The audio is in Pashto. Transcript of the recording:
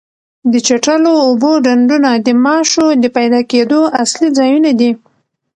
د چټلو اوبو ډنډونه د ماشو د پیدا کېدو اصلي ځایونه دي.